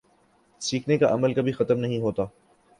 سیکھنے کا عمل کبھی ختم نہیں ہوتا